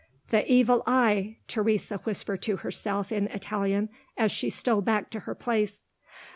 "The Evil Eye," Teresa whispered to herself in Italian, as she stole back to her place.